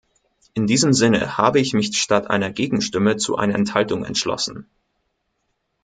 In diesem Sinne habe ich mich statt einer Gegenstimme zu einer Enthaltung entschlossen.